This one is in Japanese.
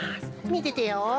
みててよ。